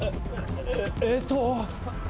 えっと。